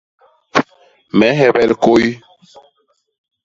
Me nhebel kôy.